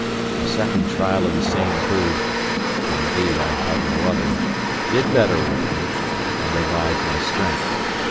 A second trial of the same food (indeed I had no other) did better with me, and revived my strength.